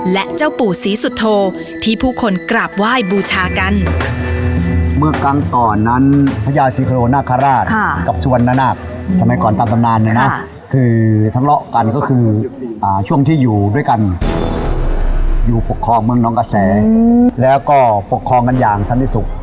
เกี่ยวกันก็คือช่วงที่อยู่ด้วยกันอยู่ปกครองเมืองน้องอาแสแล้วก็ปกครองกันอย่างสรรพสุข